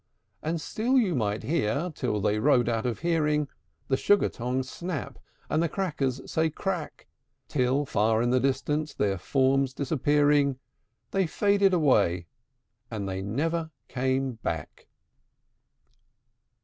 And still you might hear, till they rode out of hearing, The Sugar tongs snap, and the Crackers say "Crack!" Till, far in the distance their forms disappearing, They faded away; and they never came back!